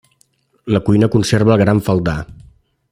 La cuina conserva el gran faldar.